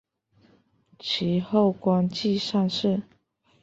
其后官至上士。